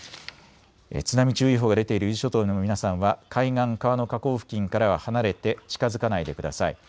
津波注意報が出ている伊豆諸島の皆さんは海岸、川の河口付近からは離れて近づかないでください。